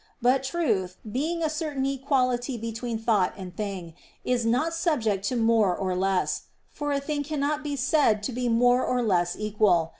But truth, being a certain equality between thought and thing, is not subject to more or less; for a thing cannot be said to be more or less equal.